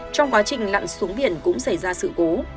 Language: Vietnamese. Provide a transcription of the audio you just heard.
trong quá trình lặn xuống biển cũng xảy ra sự cố